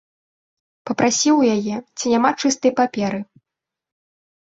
Папрасіў у яе, ці няма чыстай паперы.